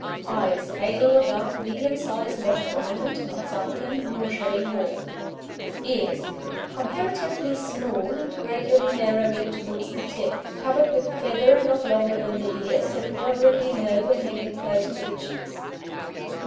EYES Hazel or dark, medium size, not prominent, not sunken, nor showing haw. EARS Comparatively small and gradually narrowing towards the tip, covered with feather not longer than the ear, set moderately low and hanging close to the cheeks.